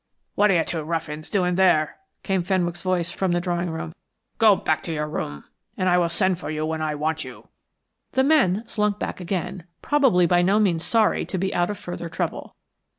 "What are you two ruffians doing there?" came Fenwick's voice from the drawing room. "Go back to your room, and I will send for you when I want you." The men slunk back again, probably by no means sorry to be out of further trouble.